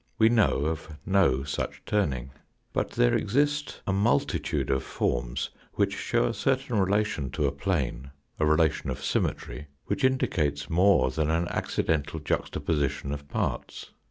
We know of no such turning. But there exist a multi tude of forms which show a certain relation to a plane, a relation of symmetry, which indicates more than an acci dental juxtaposition of parts.